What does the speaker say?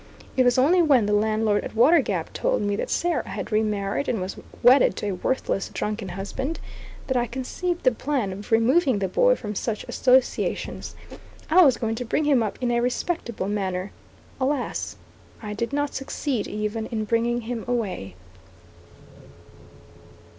It was only when the landlord at Water Gap told me that Sarah had remarried, and was wedded to a worthless, drunken husband, that I conceived the plan of removing the boy from such associations. I was going to bring him up in a respectable manner. Alas! I did not succeed even in bringing him away.